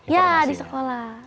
ya di sekolah